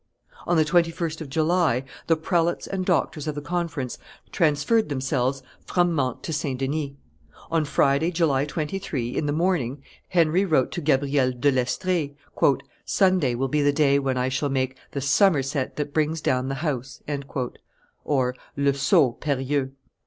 On the 21st of July, the prelates and doctors of the conference transferred themselves from Mantes to St. Denis. On Friday, July 23, in the morning, Henry wrote to Gabriel le d'Estrees, "Sunday will be the day when I shall make the summerset that brings down the house" (le, saut perilleux).